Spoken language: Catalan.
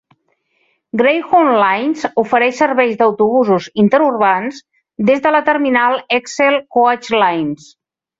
Greyhound Lines ofereix serveis d"autobusos interurbans des de la terminal Excel Coach Lines.